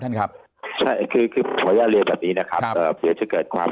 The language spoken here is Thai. ท่านรองโฆษกครับ